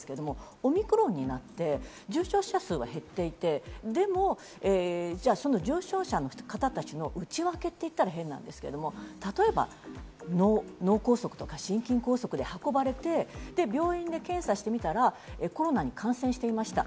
オミクロンになって、重症者数は減っていて、でも、重症者の方たちの内訳といったら変ですけど、例えば、脳梗塞とか心筋梗塞で運ばれて、病院で検査してみたらコロナに感染していました。